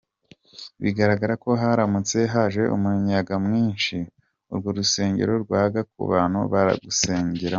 Bigaragara ko haramutse haje umuyaga mwinshi urwo rusengero rwagwa ku bantu barusengeramo .